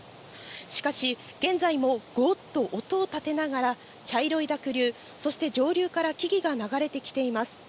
しかし、現在もごーっと音を立てながら、茶色い濁流、そして上流から木々が流れてきています。